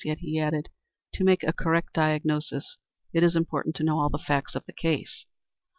Yet he added, "To make a correct diagnosis it is important to know all the facts of the case."